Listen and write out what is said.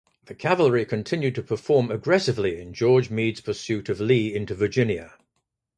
The cavalry continued to perform aggressively in George Meade's pursuit of Lee into Virginia.